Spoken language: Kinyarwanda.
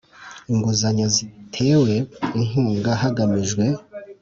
inguzanyo zitewe inkunga hagamijwe